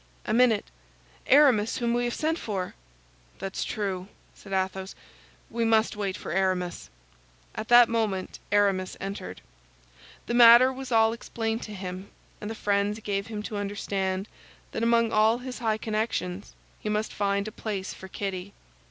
"A minute. Aramis, whom we have sent for!" "That's true," said Athos; "we must wait for Aramis." At that moment Aramis entered. The matter was all explained to him, and the friends gave him to understand that among all his high connections he must find a place for Kitty.